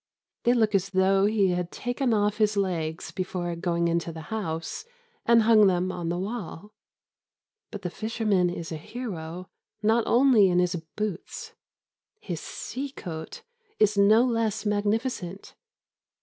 They look as though he had taken off his legs before going into the house and hung them on the wall. But the fisherman is a hero not only in his boots. His sea coat is no less magnificent.